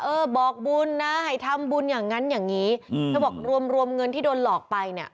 เออบอกบุญนะให้ทำบุญอย่างนั้นอย่างนี้เธอบอกรวมรวมเงินที่โดนหลอกไปเนี่ย